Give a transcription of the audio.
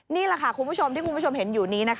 นี่แหละค่ะคุณผู้ชมที่คุณผู้ชมเห็นอยู่นี้